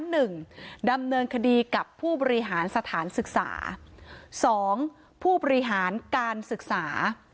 หนึ่งดำเนินคดีกับผู้บริหารสถานศึกษาสองผู้บริหารการศึกษา